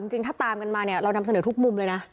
จริงถ้าตามกันมาเนี่ยเรานำเสนอทุกมุมเลยนะ